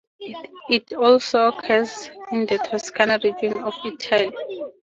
It also occurs in the Toscana region of Italy.